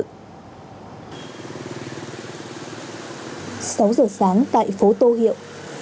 sáu giờ sáng tại phố tô hiệu